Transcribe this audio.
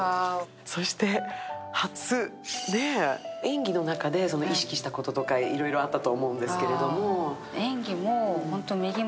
そして初、演技の中で意識したこととかいろいろあったと思うんですけど。